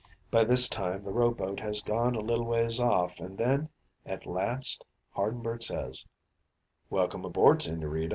"By this time the rowboat has gone a little ways off, an' then at last Hardenberg says: "'Welkum aboard, Sigñorita.'